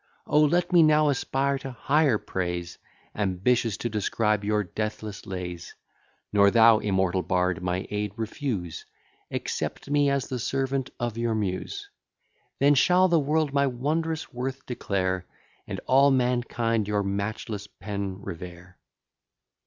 O let me now aspire to higher praise! Ambitious to transcribe your deathless lays: Nor thou, immortal bard, my aid refuse, Accept me as the servant of your Muse; Then shall the world my wondrous worth declare, And all mankind your matchless pen revere.